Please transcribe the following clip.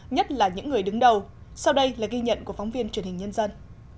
nhất là những người đứng đầu sau đây là ghi nhận của phóng viên truyền hình nhân dân